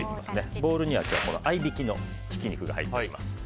ボウルには合いびきのひき肉が入っています。